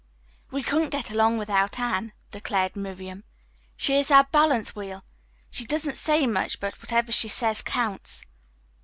"We couldn't get along without Anne," declared Miriam. "She is our balance wheel. She doesn't say much, but whatever she says counts."